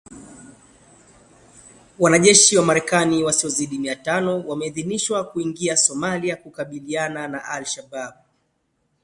Wanajeshi wa Marekani wasiozidi mia tano wameidhinishwa kuingia Somalia kukabiliana na Al Shabaab